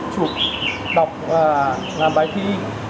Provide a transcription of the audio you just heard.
chụp đọc và làm bài thi